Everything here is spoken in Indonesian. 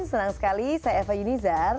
senang sekali saya eva yunizar